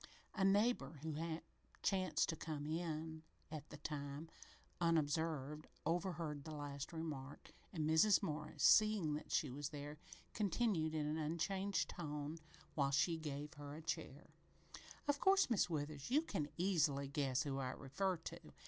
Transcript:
A neighbor who chanced to come in at the time, unobserved overheard the last remark, and Mrs. Morris, seeing that she was there, continued in an unchanged tone, while she gave her a chair: "Of course, Mis' Withers, you can easy guess who I refer to.